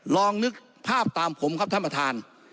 ลองนึกภาพตามผมครับท่านประธาน